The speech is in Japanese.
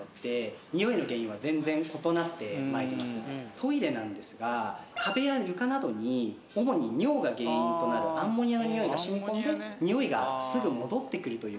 トイレなんですが壁や床などに主に尿が原因となるアンモニアのニオイが染み込んでニオイがすぐ戻ってくるという。